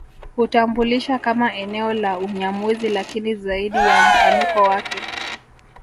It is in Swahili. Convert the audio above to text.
Hutambulisha kama eneo la Unyamwezi lakini zaidi ya mpanuko wake